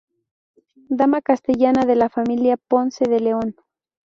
Dama castellana de la familia Ponce de León.